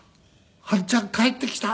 あんちゃん帰ってきた！」。